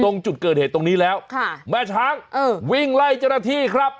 ตรงจุดเกิดเหตุตรงนี้แล้วค่ะแม่ช้างเออวิ่งไล่เจ้าหน้าที่ครับ